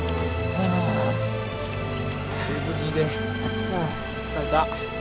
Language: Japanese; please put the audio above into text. はあ疲れた。